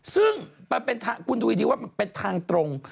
ซึ่งมันเป็นทางคุณดูดีว่ามันเป็นทางตรง